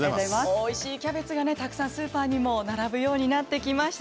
おいしいキャベツがたくさんスーパーに並ぶようになってきました。